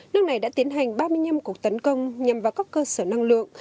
nước này đã tiến hành ba mươi năm cuộc tấn công nhằm vào các cơ sở năng lượng